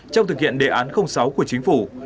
trong thực hiện đề án sáu của chính phủ